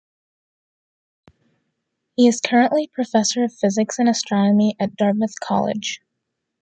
He is currently Professor of Physics and Astronomy at Dartmouth College.